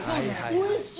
おいしい。